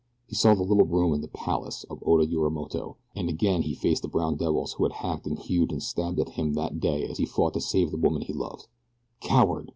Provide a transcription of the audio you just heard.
He saw the little room in the "palace" of Oda Yorimoto, and again he faced the brown devils who had hacked and hewed and stabbed at him that day as he fought to save the woman he loved. Coward!